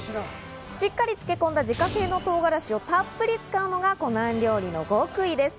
しっかり漬け込んだ自家製の唐辛子をたっぷり使うのが湖南料理の極意です。